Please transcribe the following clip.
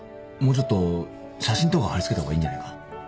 もうちょっと写真とかはり付けた方がいいんじゃないか？